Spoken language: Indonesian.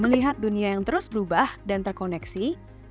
melihat dunia yang terus berubah dan terkoneksi